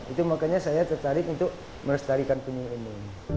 itu makanya saya tertarik untuk melestarikan penyu ini